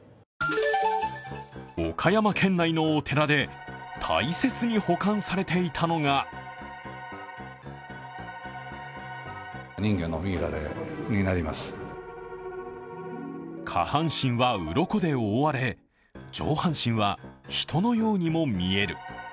岡山県内のお寺で大切に保管されていたのが下半身はうろこで覆われ上半身は人のようにも見える。